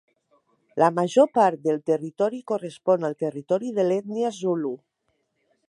La major part del territori correspon al territori de l'ètnia zulu.